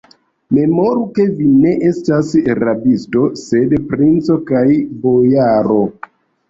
Ekmemoru, ke vi ne estas rabisto, sed princo kaj bojaro!